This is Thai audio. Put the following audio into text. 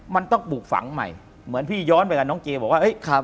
มันต้องปลูกฝังใหม่เหมือนพี่ย้อนไปกับน้องเจบอกว่า